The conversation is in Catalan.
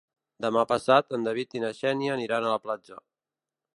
Demà passat en David i na Xènia aniran a la platja.